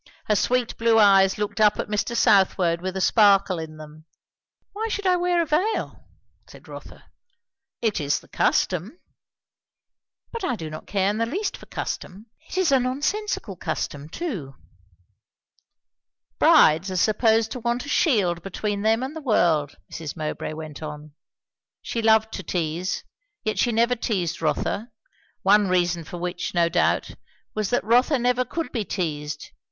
Her sweet blue eyes looked up at Mr. Southwode with a sparkle in them. "Why should I wear a veil?" said Rotha. "It is the custom." "But I do not care in the least for custom. It's a nonsensical custom, too." "Brides are supposed to want a shield between them and the world," Mrs. Mowbray went on. She loved to tease, yet she never teased Rotha; one reason for which, no doubt, was that Rotha never could be teased.